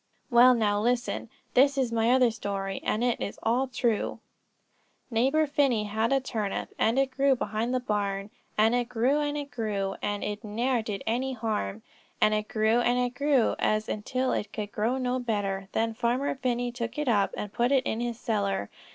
"Well, now listen; this is my other story and it is all true: 'Neighbor Phinney had a turnip, And it grew behind the barn; And it grew and it grew, an' And it ne'er did any harm. 'And it grew, and it grew, As, until it could grow no better, Then Farmer Phinney took it up And put it in his cellar.